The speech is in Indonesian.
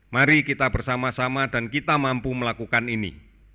mari kita bersama sama dan kita mampu melakukan ini